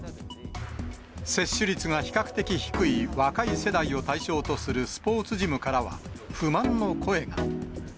接種率が比較的低い若い世代を対象とするスポーツジムからは、不満の声が。